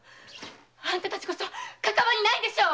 あんた達こそかかわりないでしょう！